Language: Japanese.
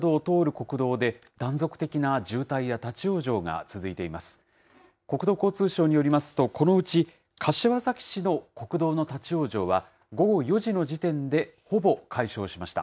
国土交通省によりますと、このうち柏崎市の国道の立往生は、午後４時の時点で、ほぼ解消しました。